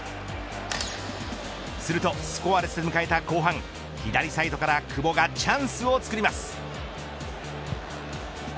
するとスコアレスで迎えた後半左サイドから久保がチャンスをつくります。